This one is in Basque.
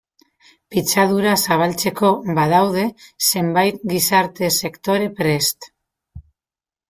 Pitzadura zabaltzeko badaude zenbait gizarte sektore prest.